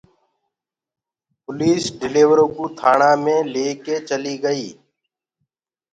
پوليٚس ڊليورو ڪو ٿآڻآ مي ليڪي چليٚ گئيٚ